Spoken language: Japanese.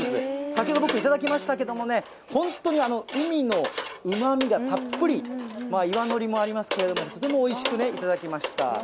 先ほど僕頂きましたけれどもね、本当に海のうまみがたっぷり、岩ノリもありますけれども、とてもおいしく頂きました。